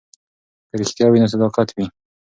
که رښتیا وي نو صداقت وي.